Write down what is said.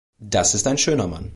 Das ist ein schöner Mann.